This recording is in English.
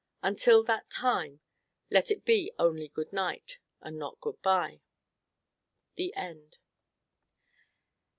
Until that time let it be only goodnight, and not good bye. The End.